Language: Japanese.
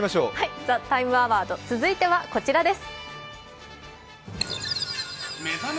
「ＴＨＥＴＩＭＥ，アワード」続いてはこちらです。